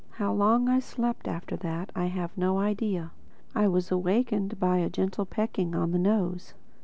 How long I slept after that I have no idea. I was awakened by a gentle pecking on the nose.